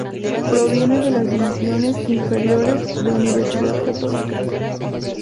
Proviene de las divisiones inferiores de Universidad Católica.